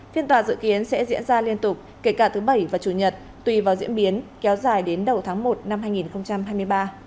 phiên tòa dự kiến sẽ diễn ra liên tục kể cả thứ bảy và chủ nhật tùy vào diễn biến kéo dài đến đầu tháng một năm hai nghìn hai mươi ba